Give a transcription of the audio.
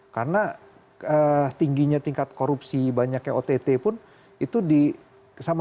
karena tingginya tingkat korupsi banyaknya ott pun itu di sama netizen itu presiden ikut disalahkan juga gitu loh